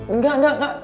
enggak enggak enggak